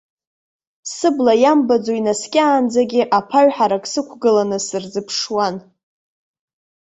Сыбла иамбаӡо инаскьаанӡагьы, аԥаҩ ҳарак сықә-гыланы сырзыԥшуан.